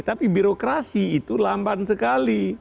tapi birokrasi itu lamban sekali